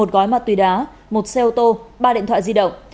một gói ma túy đá một xe ô tô ba điện thoại di động